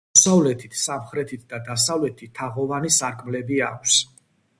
აღმოსავლეთით, სამხრეთით და დასავლეთით თაღოვანი სარკმლები აქვს.